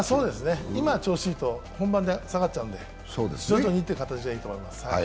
今、調子がいいと本番で下がっちゃうので徐々にという形でいいと思います。